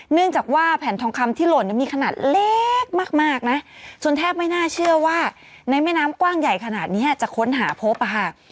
เนื่องจากว่าแผ่นทองคำที่หล่นมีขนาดเล็กมากนะจนแทบไม่น่าเชื่อว่าในแม่น้ำกว้างใหญ่ขนาดนี้จะค้นหาพบค่ะ